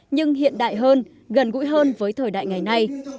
nhưng hiện đại hơn gần gũi hơn với thời đại ngày nay